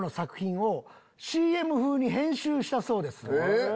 えっ？